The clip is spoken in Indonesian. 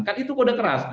kan itu kode keras